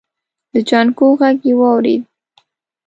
د جانکو غږ يې واورېد.